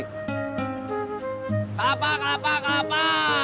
kelapa kelapa kelapa